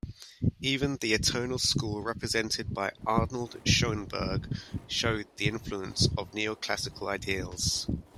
Even the atonal school, represented by Arnold Schoenberg, showed the influence of neoclassical ideas.